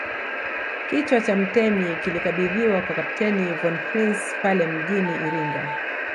Kichwa cha mtemi kilikabidhiwa kwa Kapteni von Prince pale mjini Iringa